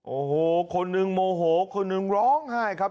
โอ้โหคนหนึ่งโมโหคนหนึ่งร้องไห้ครับ